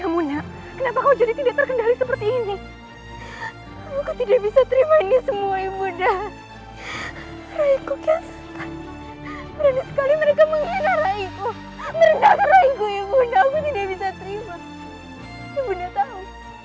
mustah pergi galak galak sama situ